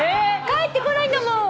返ってこないんだもん！